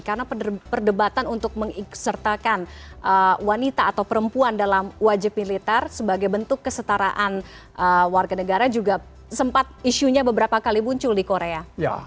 karena perdebatan untuk mengikusertakan wanita atau perempuan dalam wajib militer sebagai bentuk kesetaraan warga negara juga sempat isunya beberapa kali muncul di korea